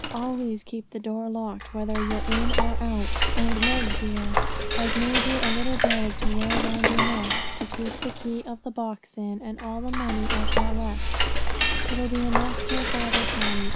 Always keep the door locked, whether you're in or out; and, Meg dear, I've made you a little bag to wear round your neck, to keep the key of the box in, and all the money I've got left; it'll be enough till father comes.